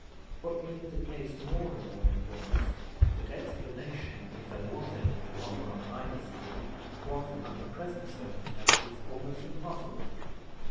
What made the case more annoying was, that explanation, if there was any to offer on either side, was, under present circumstances, almost impossible.